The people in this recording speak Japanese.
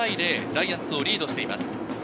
ジャイアンツをリードしています。